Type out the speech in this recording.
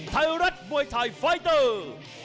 ไทยรัฐมวยไทยไฟเตอร์